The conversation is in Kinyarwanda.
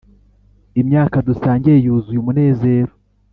imyaka dusangiye yuzuye umunezero.